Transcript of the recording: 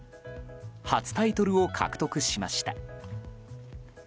初タイトルを獲得しました。